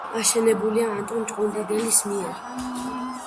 აშენებულია ანტონი ჭყონდიდელის მიერ.